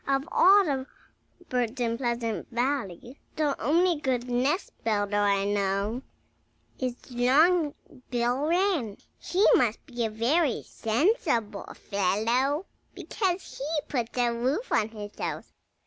Of all the birds in Pleasant Valley the only good nest builder I know is Long Bill Wren. He must be a very sensible fellow, because he puts a roof on his house."